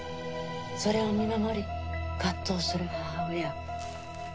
それを見守り葛藤する母親。